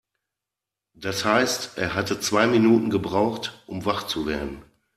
Das heißt, er hatte zwei Minuten gebraucht, um wach zu werden.